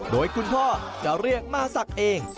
โดยคุณพ่อจะเรียกมาศักดิ์เอง